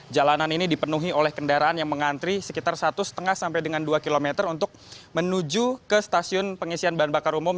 jalanan ini dipenuhi oleh kendaraan yang mengantri sekitar satu lima sampai dengan dua km untuk menuju ke stasiun pengisian bahan bakar umum